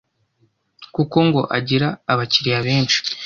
kuko ngo agira abakiriya benshi